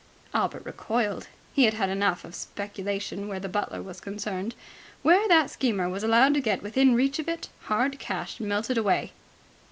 Albert recoiled. He had had enough of speculation where the butler was concerned. Where that schemer was allowed to get within reach of it, hard cash melted away.